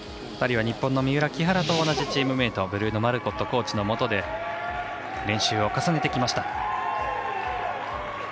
２人は日本の三浦、木原と同じチームメートブルーノ・マルコットコーチのもとで練習を重ねてきました。